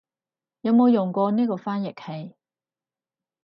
有冇用過呢個翻譯器